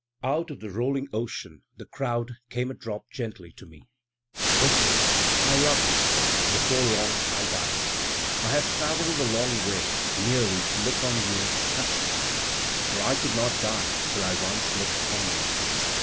Out of the rolling ocean, the crowd, came a drop gently to me. Whispering / love you, before long I die, I have traveled a long way merely to look on you to Umch you. For I could not dietiUI once looked on you.